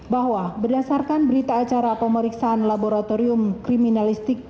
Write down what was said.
bahwa berdasarkan berita acara pemeriksaan laboratorium kriminalistik